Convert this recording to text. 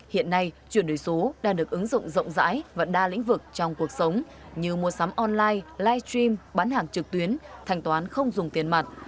hiện nay chuyển đổi số đang được ứng dụng rộng rãi và đa lĩnh vực trong cuộc sống như mua sắm online live stream bán hàng trực tuyến thanh toán không dùng tiền mặt